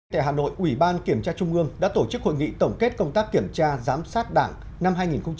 tại hà nội ủy ban kiểm tra trung ương đã tổ chức hội nghị tổng kết công tác kiểm tra giám sát đảng năm hai nghìn một mươi chín